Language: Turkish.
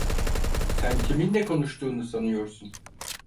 Sen kiminle konuştuğunu sanıyorsun?